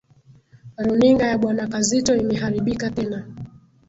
Runinga ya Bwana Kazito imeharibika tena.